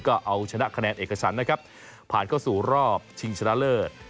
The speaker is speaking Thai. ก็เอาชนะคะแนนเอกสารนะครับผ่านเข้าสู่รอบชิงชนะเลิศ